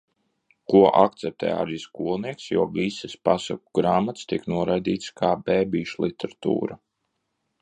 Ko akceptē arī skolnieks, jo visas pasaku grāmatas tiek noraidītas kā bebīšliteratūra.